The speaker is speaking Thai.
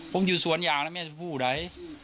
ผมอยู่สวนยางน่ะแม่น้องชมผู้อยู่ไหน